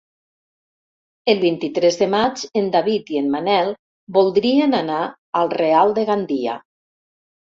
El vint-i-tres de maig en David i en Manel voldrien anar al Real de Gandia.